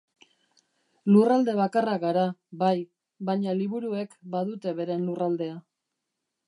Lurralde bakarra gara, bai, baina liburuek badute beren lurraldea.